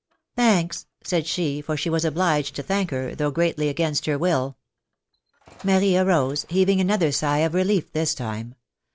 Thanks/' said she, for she was obliged to thank her, though greatly against her will. Marie arose, heaving another sigh of relief this time.